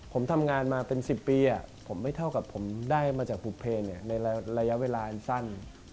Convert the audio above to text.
ผมทำงานมาเป็น๑๐ปีผมไม่เท่ากับผมได้มาจากบุเพลในระยะเวลาอันสั้น